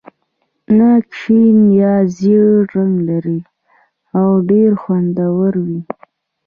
ناک شین یا ژېړ رنګ لري او ډېر خوندور وي.